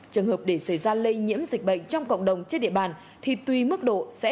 trường hợp để xảy ra lây nhiễm dịch bệnh trong cộng đồng trên địa bàn thì tùy mức độ sẽ